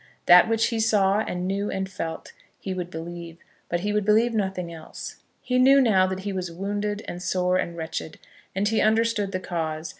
That which he saw and knew and felt, he would believe; but he would believe nothing else. He knew now that he was wounded and sore and wretched, and he understood the cause.